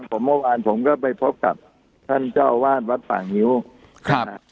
ผมเมื่อวานผมก็ไปพบกับท่านเจ้าอาวาสวัดป่างิ้วครับนะ